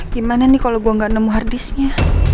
gimana nih kalau gue gak nemu hardisknya